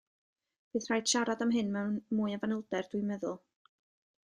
Bydd rhaid siarad am hyn mewn mwy o fanylder dwi'n meddwl.